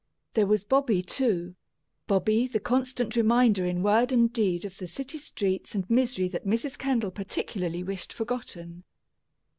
There was Bobby, too Bobby, the constant reminder in word and deed of the city streets and misery that Mrs. Kendall particularly wished forgotten.